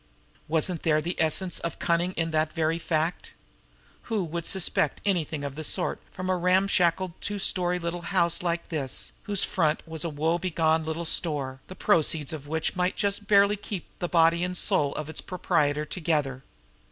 Wasn't there the essence of cunning in that very fact? Who would suspect anything of the sort from a ramshackle, two story little house like this, whose front was a woe begone little store, the proceeds of which might just barely keep the body and soul of its proprietor together?